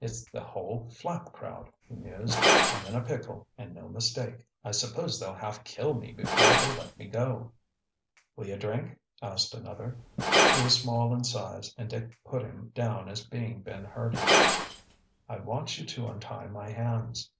"It's the whole Flapp crowd," he mused. "I'm in a pickle and no mistake. I suppose they'll half kill me before they let me go." "Will you drink?" asked another. He was small in size and Dick put him down as being Ben Hurdy. "I want you to untie my hands."